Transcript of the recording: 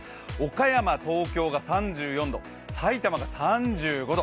岡山、東京が３４度、埼玉が３５度。